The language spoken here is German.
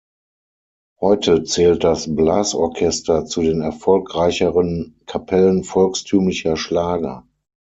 Heute zählt das Blasorchester zu den erfolgreicheren Kapellen volkstümlicher Schlager.